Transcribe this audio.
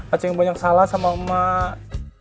acing banyak salah sama mak